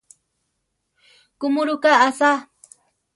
Kuʼmurúka asá!